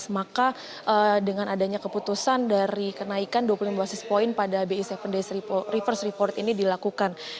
maka dengan adanya keputusan dari kenaikan dua puluh lima basis point pada bi tujuh days reverse report ini dilakukan